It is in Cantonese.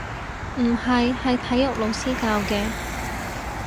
唔係，係體育老師教嘅